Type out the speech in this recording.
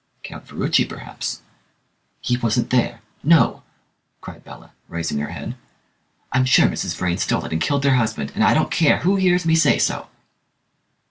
"Count Ferruci, perhaps." "He wasn't there! No!" cried Bella, raising her head, "I'm sure Mrs. Vrain stole it and killed her husband, and I don't care who hears me say so!"